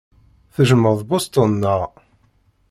Tejjmeḍ Boston, naɣ?